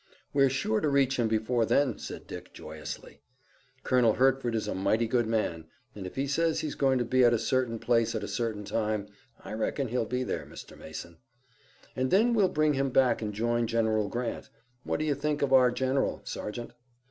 "We're sure to reach him before then," said Dick joyously. "Colonel Hertford is a mighty good man, and if he says he's going to be at a certain place at a certain time I reckon he'll be there, Mr. Mason." "And then we'll bring him back and join General Grant. What do you think of our General, Sergeant?"